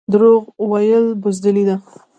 دروغ ویل بزدلي ده